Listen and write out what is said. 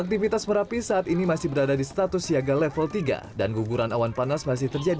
aktivitas merapi saat ini masih berada di status siaga level tiga dan guguran awan panas masih terjadi